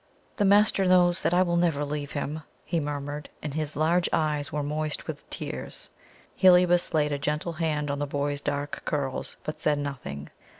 "The master knows that I will never leave him," he murmured, and his large eyes were moist with tears. Heliobas laid a gentle hand on the boy's dark curls, but said nothing.